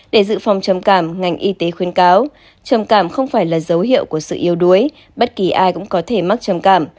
để dự phòng trầm cảm ngành y tế khuyên cáo trầm cảm không phải là dấu hiệu của sự yêu đuối bất kỳ ai cũng có thể mắc trầm cảm